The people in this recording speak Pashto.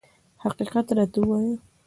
حقیقت راته ووایه.